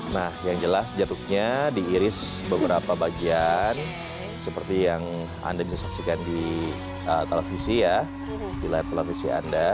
nah yang jelas jeruknya diiris beberapa bagian seperti yang anda bisa saksikan di televisi ya di layar televisi anda